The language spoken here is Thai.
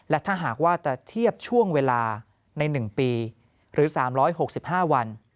และถ้าหากว่าจะเทียบช่วงเวลาใน๑ปีหรือ๓๖๕วัน